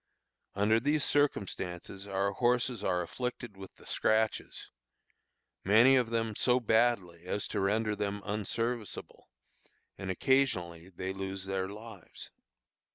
Under these circumstances our horses are afflicted with the scratches, many of them so badly as to render them unserviceable, and occasionally they lose their lives.